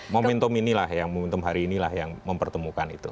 momentum ini lah momentum hari ini lah yang mempertemukan itu